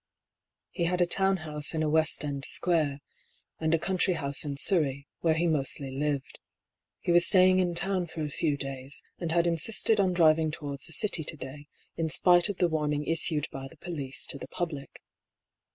He had a town house in a West end square, and a country house in Surrey, where he mostly lived. He was staying in town for a few days, and had insisted on driving towards the City to day, in spite of the warning issued by the police to the public.